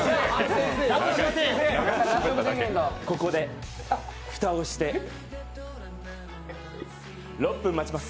ここで蓋をして６分待ちます。